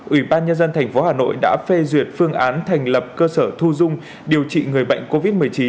ủy ban nhân dân tp hà nội đã phê duyệt phương án thành lập cơ sở thu dung điều trị người bệnh covid một mươi chín